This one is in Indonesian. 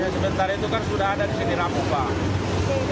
sebentar itu kan sudah ada di sini rambu pak